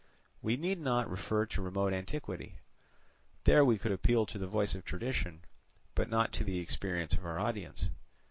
We need not refer to remote antiquity: there we could appeal to the voice of tradition, but not to the experience of our audience.